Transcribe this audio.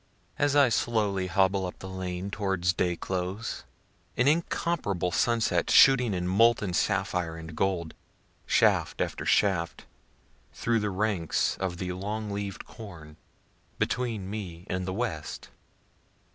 As I slowly hobble up the lane toward day close, an incomparable sunset shooting in molten sapphire and gold, shaft after shaft, through the ranks of the long leaved corn, between me and the west.